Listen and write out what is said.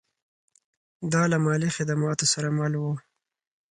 دا له مالي خدماتو سره مل و